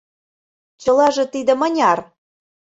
Чылаже тиде мыняр?